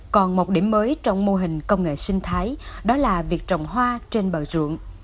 còn một điểm mới trong mô hình công nghệ sinh thái đó là việc trồng hoa trên bờ ruộng